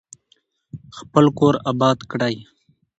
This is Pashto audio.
خپل کور اباد کړئ.